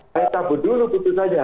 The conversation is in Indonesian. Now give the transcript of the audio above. saya tabut dulu keputusannya